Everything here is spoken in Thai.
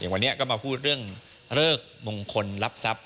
วันนี้ก็มาพูดเรื่องเลิกมงคลรับทรัพย